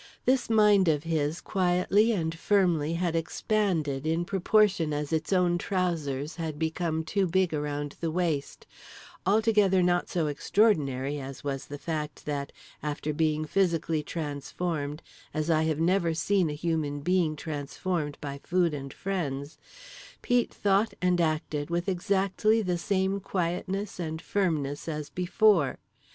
This mind of his quietly and firmly had expanded in proportion as its owner's trousers had become too big around the waist—altogether not so extraordinary as was the fact that, after being physically transformed as I have never seen a human being transformed by food and friends, Pete thought and acted with exactly the same quietness and firmness as before.